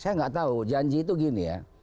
saya nggak tahu janji itu gini ya